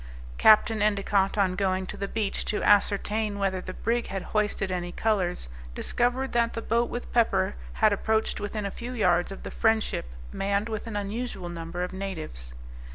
Capt. Endicott, on going to the beach to ascertain whether the brig had hoisted any colors, discovered that the boat with pepper had approached within a few yards of the Friendship, manned with an unusual number of natives.